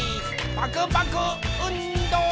パクパクうんど！